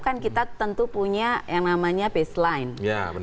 kan kita tentu punya yang namanya baseline